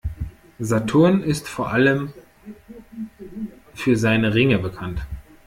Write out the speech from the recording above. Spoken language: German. Saturn ist vor allem für seine Ringe bekannt.